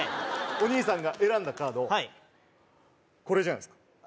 お兄さんが選んだカードはいこれじゃないですか？